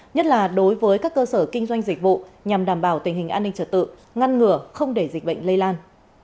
nhất là đối với các cơ sở kinh doanh dịch vụ nhằm đảm bảo tình hình an ninh trật tự ngăn ngừa không để dịch bệnh lây lan